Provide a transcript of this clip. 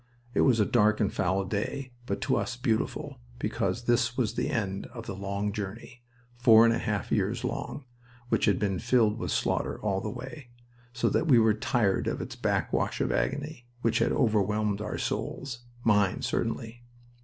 It was a dank and foul day, but to us beautiful, because this was the end of the long journey four and a half years long, which had been filled with slaughter all the way, so that we were tired of its backwash of agony, which had overwhelmed our souls mine, certainly.